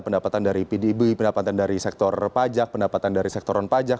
pendapatan dari pdb pendapatan dari sektor pajak pendapatan dari sektor non pajak